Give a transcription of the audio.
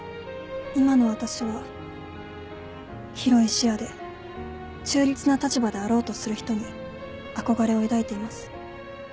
今の私は広い視野で中立な立場であろうとする人に憧れを抱いています。